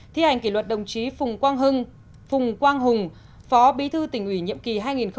thi hành kỷ luật đồng chí phùng quang hùng phó bí thư tỉnh ủy nhiệm kỳ hai nghìn một mươi hai nghìn một mươi năm